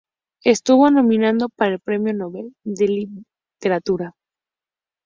Estuvo nominado para el premio Nobel de literatura.